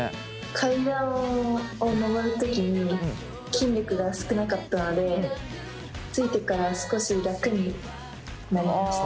階段を上る時に筋力が少なかったのでついてから少し楽になりました。